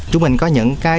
chúng mình có những cái